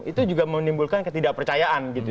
itu juga menimbulkan ketidakpercayaan gitu